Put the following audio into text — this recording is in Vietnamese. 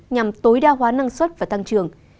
nhằm tối đa hóa năng suất và tăng trường